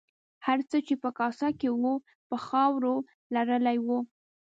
هر څه چې په کاسه کې وو په خاورو لړلي وو.